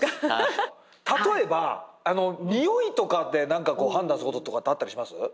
例えばにおいとかで何か判断することとかあったりします？